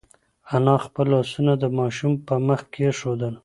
انا خپل لاسونه د ماشوم په مخ کېښودل.